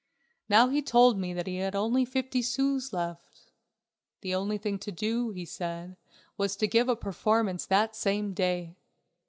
Now he told me that he had only fifty sous left. The only thing to do, he said, was to give a performance that same day.